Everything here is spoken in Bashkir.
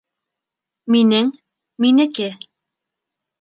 Минең, минеке